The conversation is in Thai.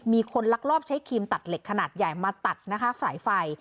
มีคนลักลอบใช้ครีมตัดเหล็กขนาดใหญ่มาตัดนะคะสายไฟ